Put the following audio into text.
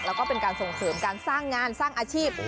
แล้วก็เป็นการส่งเสริมการสร้างงานสร้างอาชีพ